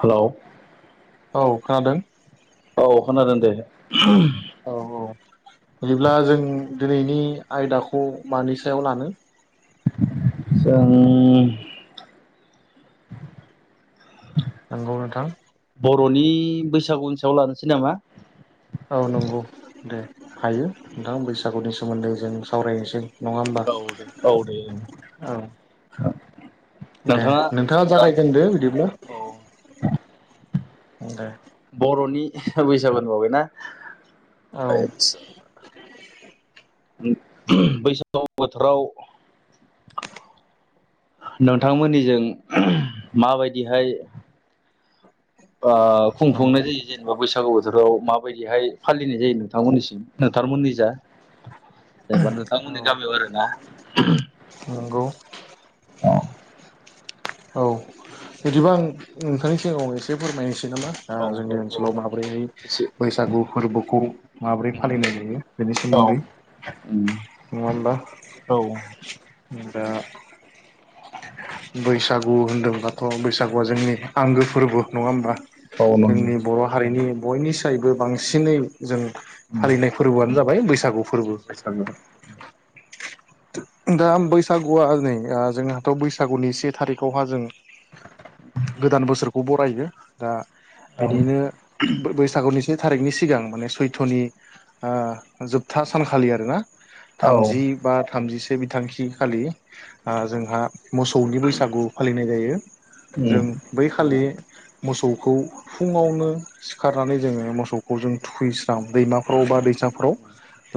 Hello औ खोनादों औ खोनादों दे औ औ बिदिब्ला जों दिनैनि आयदाखौ मानि सायाव लानो जों [inaudible] नंगौ नोंथां बर'नि बैसागुनि सायाव लानोसै नामा औ नंगौ दे हायो नोंथां बैसागुनि सोमोन्दै जों सावरायनोसै नङा होमबा औ दे औ दे औ दे नोंथाङा दा जागायजेनदो बिदिब्ला औ दे बर'नि बैसागु [unintelligible] ना औ बैसागु बोथोराव नोंथांमोननिजों माबायदिहाय नंगौ खुंफुंनाय जायो जेनेबा बैसागु बोथोराव माबायदिहाय फालिनाय जायो नोंथांमोननिसिम नोंथांमोननि जा जेनेबा औ नोंथांमोननि गामियाव आरोना नंगौ औ औ बिदिबा आं नोंथांनि सिगाङाव एसे फोरमायनोसै नामा आं औ जोंनि औ औ ओनसोलाव माबोरैहाय एसे बैसागु फोरबोखौ माबोरै फालिनाय जायो बेनि औ सोमोन्दै नङा होनबा औ दा बैसागु होनदोंबथ' बैसागुआ जोंनि आंगो फोरबो नङा होमबा औ नंगौ जोंनि बर' हारिनि बयनिसायबो बांसिनै जों उम फालिनाय फोरबोआनो जाबाय बैसागु फोरबो [inaudible] दा बैसागुआ नै ओ जोंहाथ' बैसागुनिसे थारिखावहा जों गोदान बोसोरखौ बरायो दा औ उम बिनिनो फोर्बो बैसागुनि से थारिखनि सिगां माने सैथ'नि ओ जोबथा सानखालि आरोना औ थामजि बा थामजिसे बिथांखि खालि आ जोंहा मोसौनि बैसागु फालिनाय जायो जों बै खालि मोसौखौ फुंङावनो सिखारनानै जोङो मोसौखौ जों थुखै ओं दैमाफ्राव बा दैसाफ्राव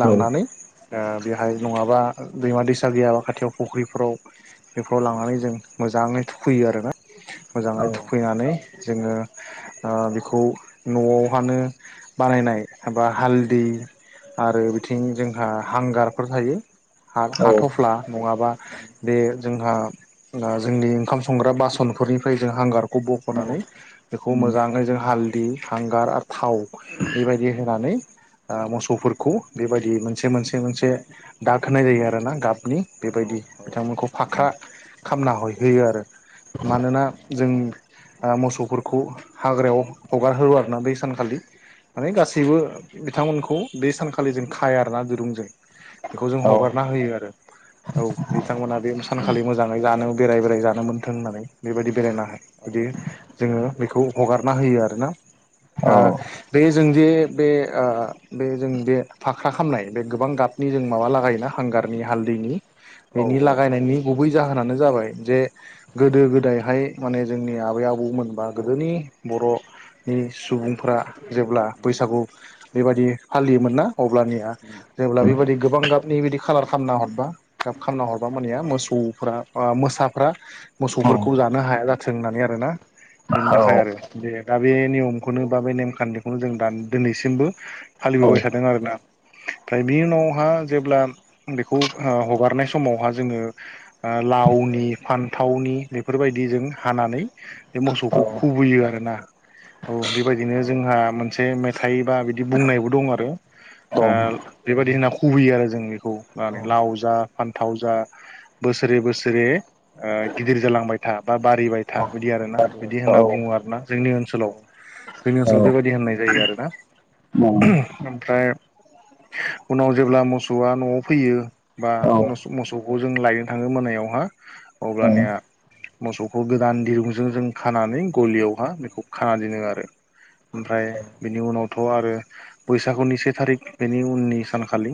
लांनानै बेहाय नङाबा दैमा दैसा गैयाबा खाथियाव फुख्रिफोराव बेफोराव लांनानै जों मोजाङै थुखैयो आरोना मोजाङै थुखैनानै जोङो बेखौ न'आवहानो बानायनाय एबा हालदै आरो बिथिं जोंहा हांगारफोर थायो औ उम औ हाथ'फ्ला नङाबा बे जोंहा जोंनि ओंखाम संग्रा बासनफोरनिफ्राय जों हांगार खौ उम बख'नानै बेखौ मोजाङै जों हालदै हांगार आरो थाव बेबायदि होनानै ओ मोसौफोरखौ बेबायदि मोनसे मोनसे मोनसे दाग खोनाय जायो आरो ना गाबनि बेबायदि बिथांमोनखौ फाख्रा खामना हैय होयो आरो मानोना जोंनि आ मोसौफोरखौ हाग्रायाव हगार होयो आरोना बै सानखालि माने गासैबो बिथांमोनखौ बे सानखालि जों खाया आरोना दिरुंजों खौ जों औ हगारना होयो आरो औ बिथांमोना बे सानखालि मोजाङै जानो बेराय बेराय जानो मोनथों होननानै बेबायदि बेरायनो हाय बिदि जोङो बेखौ हगारना होयो आरोना औ आ बे जों जे बे आ बे जों बे फाख्रा खामनाय बे गोबां गाबनि जों माबा लागायोना हांगारनि हालदैनि उम बेनि लागायनायनि गुबै जाहोनानो जाबाय जे गोदो गोदायहाय माने जोंनि आबै आबौमोनबा गोदोनि बर' नि सुबुंफोरा जेब्ला बैसागु बेबायदि फालियोमोन ना अब्लानिया जेब्ला बेबायदि गोबां गाबनि बिदि खालार खालामना हरबा गाब खामना हरबा मानेया मोसौफ्रा आ मोसाफ्रा औ मोसौफोरखौ जानो हाया जाथों होननानै आरोना बेनि थाखाय आरो औ दे दा बे नियमखौनो बा बे नेमखान्थिखौनो जों दा दिनैसिमबो फालिबोबाय औ उम औ उम औ थादों आरोना ओमफ्राय बिनि उनाव आ जेब्ला बेखौ ओ हगारनाय समावहा जोङो आ लावनि फान्थावनि बेफोरबायदि जों हानानै बे मोसौखौ खुबैयो आरोना औ बेबायदिनो जोंहा मोनसे मेथाइ बा बिदि बुंनायबो दं आरो आ बेबायदि होनना खुबैयो आरो जों बेखौ लाव जा फान्थाव जा बोसोरे बोसोरे ओ गिदिर जालांबाय था बा बारिबाय था बिदि आरोना उम बिदि होनना बुङो आरोना जोंनि ओनसोलाव जोंनि ओनसोलाव बेबायदि होननाय जायो आरोना ओमफ्राय उनाव जेब्ला मोसौआ न'आव फैयो बा मोसौखौ जों लायनो थाङो मोनायावहा अब्लानिया मोसौखौ गोदान दिरुंजों जों खानानै गलियावहा बेखौ खाना दोनो आरो ओमफ्राय बेनि उनावथ' आरो बैसागुनि से थारिख बेनि उननि सानखालि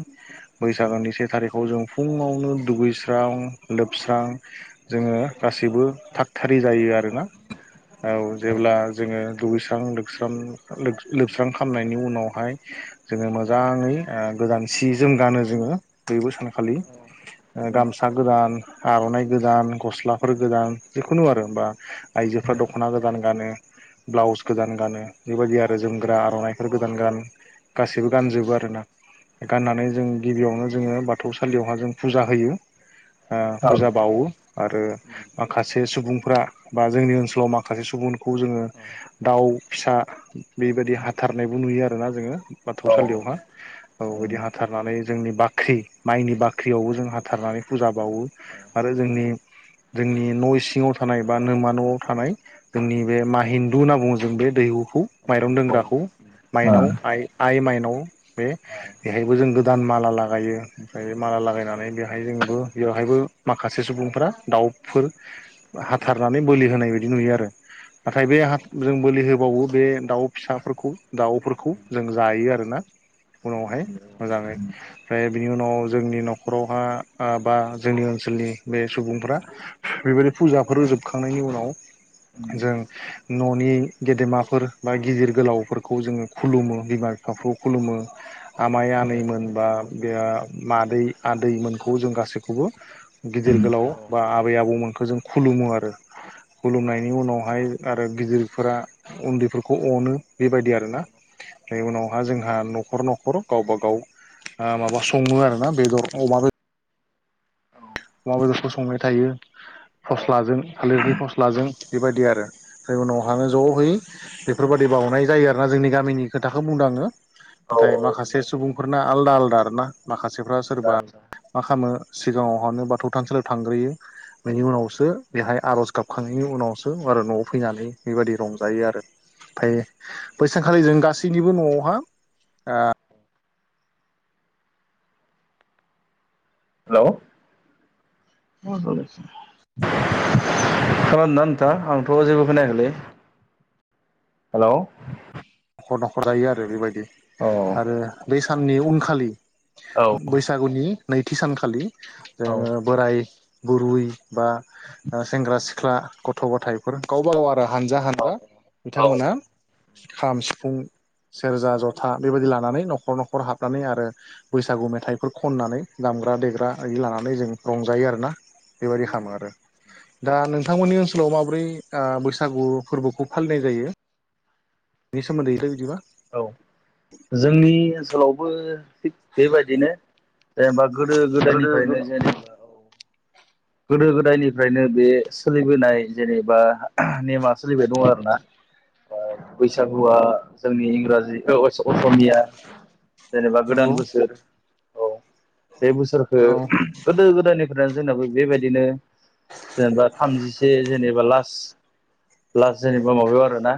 बैसागोनि से थारिखाव जों फुङावनो दुगैस्रां लोबस्रां जोङो गासैबो थाग थियारि जायो आरोना औ जेब्ला जोङो दुगैस्रां लोबस्रां लोबस्रां खामनायनि उनावहाय जोङो मोजाङै ओ गोदान सि जोम गानो जोङो बयबो सानखालि गामसा गोदान आर'नाइ गोदान गस्लाफोर गोदान जिखुनु आरो बा आइजोफ्रा दख'ना गोदान गानो ब्लाउस गोदान गानो बेबायदि आरो जोमग्रा आर'नाइफोर गोदान गान गासैबो गानजोबो आरो ना। गाननानै जों गिबियावनो जोङो बाथौ सालियावहा जों फुजा होयो। ओ फुजा बावो आरो माखासे सुबुंफ्रा बा जोंनि ओनसोलाव माखासे सुबुंखौ जोङो दाउ फिसा बेबायदि हाथारनायबो नुयो आरोना जोङो औ औ बाथौसालियावहा औ बिदि हाथारनानै जोंनि बाख्रि माइनि बाख्रियावबो जों हाथारनानै फुजा बावो आरो जोंनि, जोंनि न' इसिंआव थानाय बा नोमा न'आव थानाय जोंनि बे मा हिन्दु होनना बुङो जों बे दैहुखौ आमाय माइरं दुखुल दोनग्राखौ ओ औ माइनाव आइ आइ माइनाव बे औ बेहायबो जों गोदान माला लागायो। ओमफ्राय माला लागायनानै बेहाय जोंबो बेवहायबो माखासे सुबुंफोरा दाउफोर हाथारनानै बोलि होनाय बायदि नुयो आरो। नाथाय बे जों बोलि होबावो बे दाउ फिसाफोरखौ दाउफोरखौ जों जायो आरोना उनावहाय मोजाङै ओमफ्राय बिनि उनाव जोंनि न'खरावहा आबा जोंनि ओनसोलनि बे सुबुंफ्रा बेबायदि फुजाफोर होजोबखांनायनि उम उनाव जों न'नि गेदेमाफोर बा गिदिर गोलावफोरखौ जोङो खुलुमो बिमा बिफाफोरखौ खुलुमो आमाइ आनैमोन बा बे मादै आदैमोनखौ जों गासैखौबो उम औ गिदिर गोलाव बा आबै आबौमोनखौ जों खुलुमो आरो खुलुमनायनि उनावहाय आरो गिदिरफोरा उन्दैफोरखौ अनो बेबायदि आरोना उनावहा जोंहा न' न'खर न'खर गावबा गाव ओ माबा सङो आरोना बेदर अमा बेदर औ अमा बेदरफोर संबाय थायो फस्लाजों थालिरनि फस्लाजों बेबायदि आरो ओमफाय उनावहानो ज'है बेफोरबादि बावनाय जायो आरोना जोंनि गामिनि खोथाखौ बुंदों आङो औ नाथाय औ माखासे सुबुंफोरना आलदा आलदा आरोना माखासे फोरा सोरबा मा खामो सिगाङावहानो बाथौ थानसालियाव थांग्रोयो बेनि हेलौ उनावसो बेहाय आर'ज गाबखांनायनि उनावसो आरो न'आव फैनानै बेबायदि रंजायो आरो ओमफ्राय बैसानखालि जों गासैनिबो न'आवहा ओ हेलौ खोनादोंना नोंथाङा आंथ' जेबो खोनायाखैलै हेलौ न'खर न'खर जायो आरो बेबायदि अ [unintelligible] बै साननि उनखालि औ बैसागुनि नैथि सानखालि ओ औ बोराय, बुरै, बा सेंग्रा, सिख्ला, गथ' गथायफोर गावबा गाव आरो हानजा औ हानजा औ बिथांमोना खाम सि सिफुं, सेरजा, जथा बेबायदि लानानै न'खर न'खर हाबनानै आरो बैसागु मेथाइफोर खननानै दामग्रा देग्रा इदि लानानै जों रंजायो आर ना बेबायदि खामो आरो दा नोंथांमोननि ओनसोलाव माबोरै ओ बैसागु फोरबोखौ फालिनाय जायो। बेनि सोमोन्दै बिदिबा, औ जोंनि ओनसोलावबो थिग बेबायदिनो जेनेबा गोदो गोदो गोदायनिफ्रायनो गोदाय जेनेबा गोदो गोदायनिफ्रायनो बे सोलिबोनाय जेनेबा नेमा सोलिबाय दङ आरोना बा नंगौ बैसागुआ जोंनि इंराजि ओ असमिया जेनेबा गोदान नंगौ बोसोर औ बे बोसोरखो औ गोदो गोदायनिफ्रायनो जोंनाबो बेबायदिनो जेनेबा थामजिसे जेनेबा लास्ट लास्ट जेनेबा माबायाव आरोना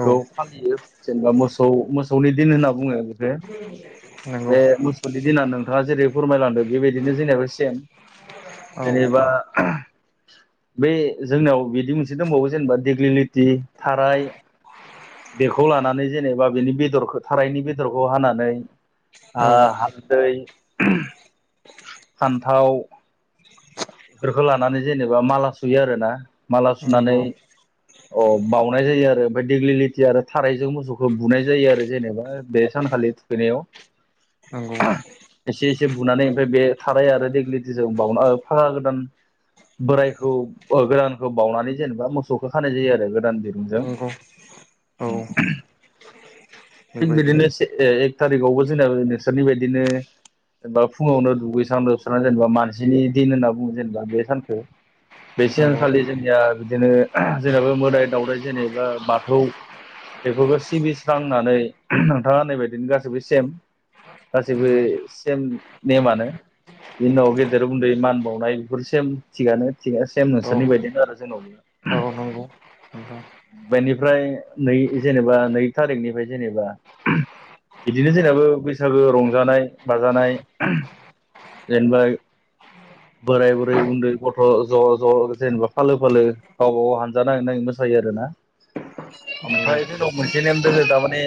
औ फालियो जेनेबा मोसौ मोसौनि दिन होनना बुङो। बे नंगौ बे मोसौनि दिना नोंथाङा जेरै फोरमायलांदों बेबायदिनो जोंनियाबो सेम औ जेनेबा बे जोंनियाव बिदि मोनसे दंबावो जेनेबा देग्लिलिटि थाराय बेखौ लानानै जेनेबा बेनि बेदरखौ थारायनि बेदरखौ हानानै हा औ हालदै फान्थाव। बेफोरखौ लानानै जेनेबा माला सुयो आरोना माला सुनानै, नंगौ अ बावउनाय जायो आरो ओमफ्राय देग्लिलिथियार। थारायजों मोसौखौ बुनाय जायो आरो जेनेबा बे सानखालि थुखैनायाव नंगौ एसे एसे बुनानै आमफ्राय बे थाराइ आरो देगलिटिजों बावना फागा गोदान बोरायखौ अ गोदानखौ बाउनानै जेनेबा मोसौखौ खानाय जायो आरो गोदान दिरुंजों नंगौ औ [unintelligible] थिग बेबायदि बिदिनो से एक थारिखआवबो जोंना नोंसोरनि बायदिनो जेनेबा फुङावनो दुगैस्रां लोबस्रांनानै जेनेबा मानसिनि दिन होनना बुङो जेनेबा बे सानखौ बे नंगौ सानखालि जोंनिया बिदिनो जेनेबा मोदाय दावदाय जेनेबा बाथौ बेखौबो सिबिस्रांनानै [unintelligible] नोंथाङा होन्नायबादिनो गासैबो सेम गासैबो नंगौ सेम नेमानो बिनि उनाव गेदेर उन्दै मान बावनाय बेफोर सेम थिगानो थि सेम औ नोंसोरनि बायदिनो आरो जोंनावबो औ नंगौ नोंथां बेनिफ्राय नै जेनेबा नै थारिखनिफ्राय जेनेबा बिदिनो जोंनाबो बैसागो रंजानाय बाजानाय [unintelligible] जेनेबा बोराय बुरै उन्दै गथ' ज' ज' जेनेबा फालो फालो गावबागाव हानजा नाङै नाङै मोसायो आरो ना [inaudible] नंगौ आमफ्राय जोंनाव मोनसे नेम दोङो थारमाने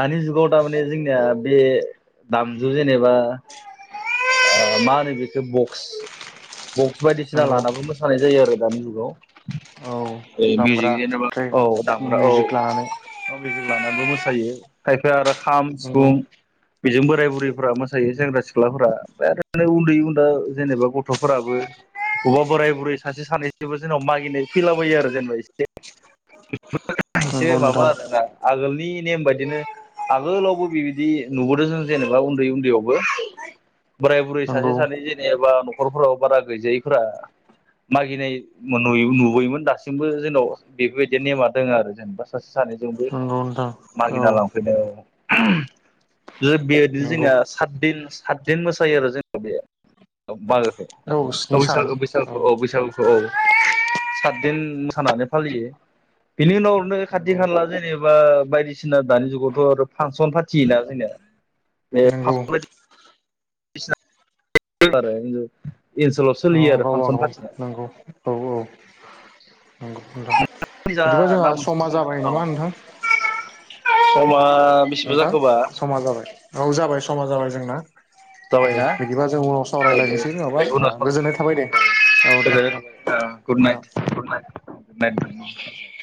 दानि जुगाव थारमाने जोंनिया बे दामजु जेनेबा [inaudible] ओ मा होनो बेखौ बक्स बक्स बायदिसिना नंगौ लानाबो मोसानाय जायो आरो दानि जुगाव औ ओ मिउजिक दामग्रा जेनेबा औ ट्रेकआव दामग्रा औ मिउजिक लानानै [unintelligible] लानानैबो मोसायो खायफाया आरो खाम सिफुं नंगौ बेजों बोराय बुरैफ्रा मोसायो सेंग्रा सिख्लाफोरा ओफ्राय आरो उन्दै उन्दै जेनेबा गथ'फोराबो अबेबा बोराय बुरै सानसे सानैसोबो जोंनाव मागिनाय फैलाबयो एसे [inaudible] एसे नंगौ माबा नोंथां आरोना आगोलनि नेम बायदिनो आगोलावबो बिबायदि नुबोदों जों जेनेबा उन्दै उनदै यावबो बोराय बुरै सासे नंगौ सानै जेनेबा न'खरफोराव बारा गैजायैफ्रा मागिनाय [unintelligible] नुबोयोमोन दासिमबो जोंनाव बेफोरबायदि नेमा दङ आरो जेनेबा सासे सानैजोंबो नंगौ नोंथां औ मागिना लांफैनो [unintelligible] बेबादिनो नंगौ जोंना सातदिन सातदिन मोसायो आरो जोंना बे मागोखौ औ बैसागु बैसागुखौ औ बैसागुखौ औ सातदिन मोसानानै फालियो बिनि उनाव ओरैनो खाथि नंगौ खाला जेनेबा बायदिसिना दानि जुगावथ' आरो फांसन फाथियोना जोंनिया बे नोंगौ फांसन [unintelligible] ओनसोलाव औ सोलियो आरो गावबा फांसन गाव फाथिनाया नंगौ औ औ नंगौ नोंथां। जा बिदिबा ना जोंहा समा मोनसे जाबाय औ नामा नोंथां [unintelligible] समा बेसेबां नोंथां जाखोबा समा जाबाय। औ जाबाय समा जाबाय समा जोंना। दे जाबायना बिदिबा जों उनाव औ सावरायलायनोसै नङाबा गोजोननाय थाबाय दे औ दे [unintelligible] गोजोन्नाय नोंथां थाबाय ओ गुथ नाइत